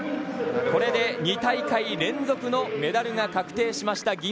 これで、２大会連続のメダルが確定しました。